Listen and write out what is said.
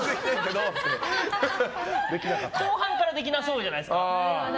後半からできなそうじゃないですか。